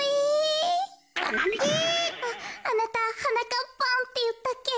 あなたはなかっぱんっていったっけ？